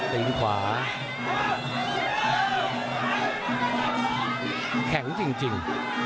ตีนขวาแข็งจริงจริง